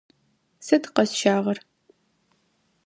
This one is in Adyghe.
Сыд къэсщагъэр?